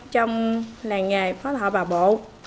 trong làng nghề phó thọ bà bộ